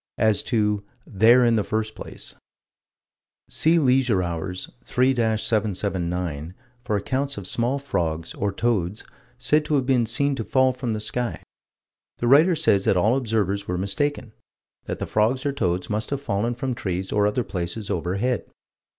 As to "there in the first place": See Leisure Hours, 3 779, for accounts of small frogs, or toads, said to have been seen to fall from the sky. The writer says that all observers were mistaken: that the frogs or toads must have fallen from trees or other places overhead.